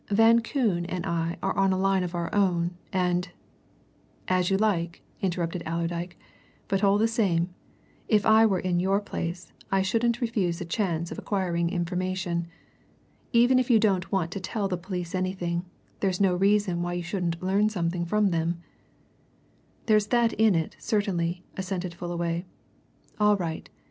Van Koon and I are on a line of our own, and " "As you like," interrupted Allerdyke, "but all the same, if I were in your place I shouldn't refuse a chance of acquiring information. Even if you don't want to tell the police anything, that's no reason why you shouldn't learn something from them." "There's that in it, certainly," assented Fullaway. "All right.